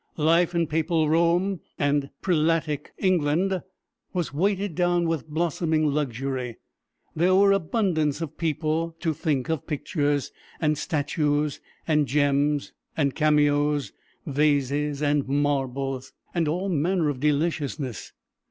Life in papal Rome and prelatic England was weighed down with blossoming luxury. There were abundance of people to think of pictures, and statues, and gems, and cameos, vases and marbles, and all manner of deliciousness.